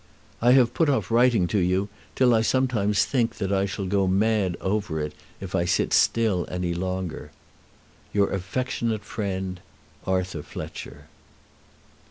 I have put off writing to you till I sometimes think that I shall go mad over it if I sit still any longer. Your affectionate friend, ARTHUR FLETCHER.